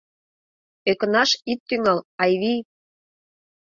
Ӧкынаш ит тӱҥал, Айвий!